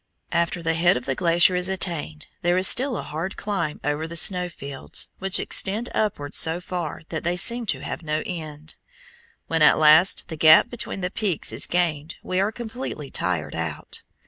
After the head of the glacier is attained there is still a hard climb over the snow fields, which extend upward so far that they seem to have no end. When at last the gap between the peaks is gained we are completely tired out.